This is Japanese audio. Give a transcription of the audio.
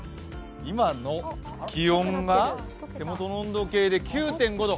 今の気温が手元の温度計で９．５度。